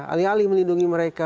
alih alih melindungi mereka